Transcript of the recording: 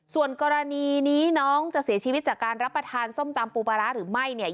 ส่วนกรณีนี้น้องจะเสียชีวิตจากการรับประทานส้มตำปูปลาร้าหรือไม่เนี่ย